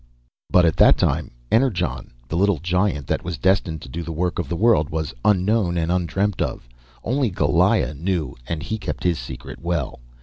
But at that time Energon, the little giant that was destined to do the work of the world, was unknown and undreamed of. Only Goliah knew, and he kept his secret well.